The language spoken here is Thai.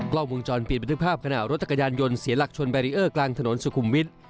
กล้องวงจรปิดบันทึกภาพขณะรถจักรยานยนต์เสียหลักชนแบรีเออร์กลางถนนสุขุมวิทย์